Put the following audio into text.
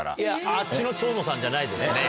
あっちの蝶野さんじゃないですね。